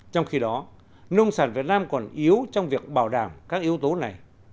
trong khi đó nông sản việt nam còn yếu trong việc bảo đảm các yếu tố này